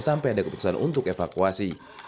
sampai ada keputusan untuk evakuasi